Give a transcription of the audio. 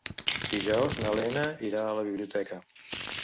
Dijous na Lena irà a la biblioteca.